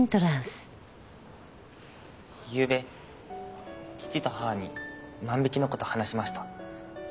ゆうべ父と母に万引きの事を話しました。